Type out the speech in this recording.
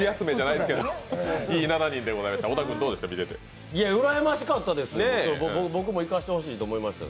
いい７人でございました。